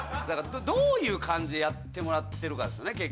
だからどういう感じでやってもらってるかですよね